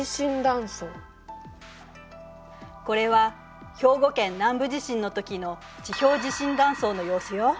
これは兵庫県南部地震のときの地表地震断層の様子よ。